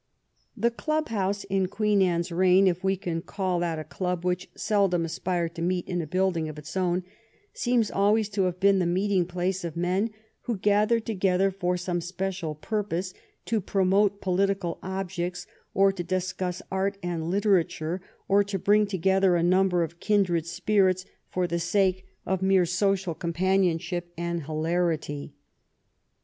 The club house in Queen Anne's reign, if we can call that a club which seldom aspired to meet in a building of its own, seems always to have been the meeting place of men who gathered together for some special purpose, to promote political objects, or to discuss art and literature, or to bring together a number of kindred spirits for the sake of mere social 190 "THE TRIVIAL ROUND— THE COMMON TASK'' companionship and hilarity.